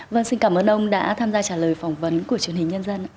vâng xin cảm ơn ông đã tham gia trả lời phỏng vấn của truyền hình nhân dân